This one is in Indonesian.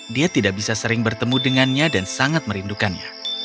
dia tidak bisa sering bertemu dengannya dan sangat merindukannya